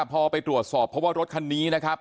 พอไปตรวจสอบเพราะว่ารถคันนี้นะครับ